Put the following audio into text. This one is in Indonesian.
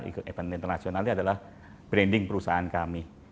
ikut event internasionalnya adalah branding perusahaan kami